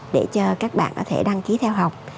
để cho các bạn có thể đăng ký theo học